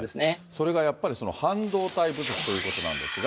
それがやっぱり半導体不足ということなんですが。